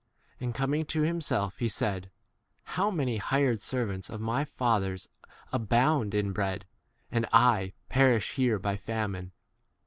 And coming to himself, he said, How many hired servants of my father's abound in bread, and 18 I perish here" by famine.